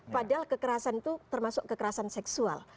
padahal kekerasan itu termasuk kekerasan seksual